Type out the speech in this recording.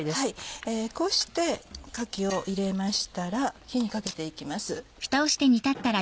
こうしてかきを入れましたら火にかけて行きます。